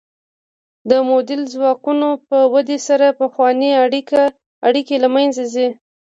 د مؤلده ځواکونو په ودې سره پخوانۍ اړیکې له منځه ځي.